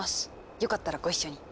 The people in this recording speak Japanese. よかったらご一緒に。